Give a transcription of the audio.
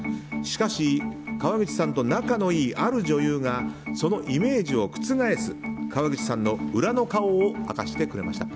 しかし、川口さんと仲のいいある女優がそのイメージを覆す川口さんの裏の顔を明かしてくれました。